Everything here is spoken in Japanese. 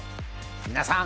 皆さん